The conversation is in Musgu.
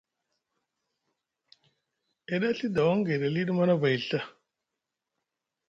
E ɗa Ɵii dawaŋ gayɗi aliɗi Manavay nɵa.